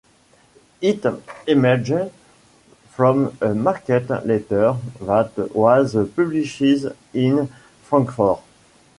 It emerged from a market letter that was published in Frankfurt.